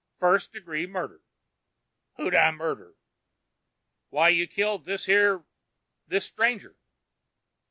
"First degree murder." "Who'd I murder?" "Why, you killed this here ... this stranger."